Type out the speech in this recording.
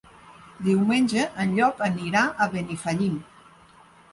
Diumenge en Llop anirà a Benifallim.